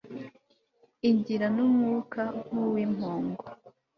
Igira numwuka nkuwimpongo